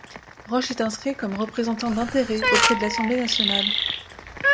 Roche est inscrit comme représentant d'intérêts auprès de l'Assemblée nationale.